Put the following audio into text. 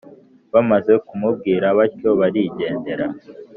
bamaze kumubwira batyo barigendera,